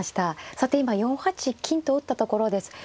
さて今４八金と打ったところです。